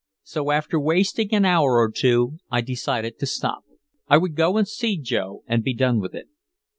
So, after wasting an hour or two, I decided to stop. I would go and see Joe and be done with it.